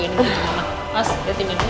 mas lihat ini